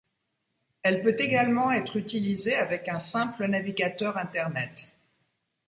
Elle peut également être utilisée avec un simple navigateur internet.